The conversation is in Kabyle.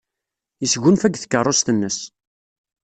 Yesgunfa deg tkeṛṛust-nnes.